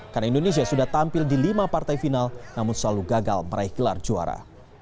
karena indonesia sudah tampil di lima partai final namun selalu gagal meraih gelar juara